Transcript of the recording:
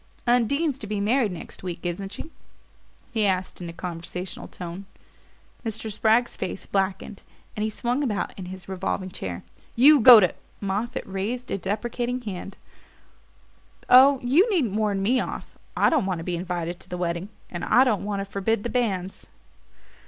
"Undine's to be married next week, isn't she?" he asked in a conversational tone. Mr. Spragg's face blackened and he swung about in his revolving chair. "You go to " Moffatt raised a deprecating hand. "Oh, you needn't warn me off. I don't want to be invited to the wedding. And I don't want to forbid the banns."